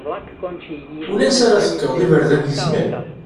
Ulansi ara tekkeḍ, iberdan gezmen.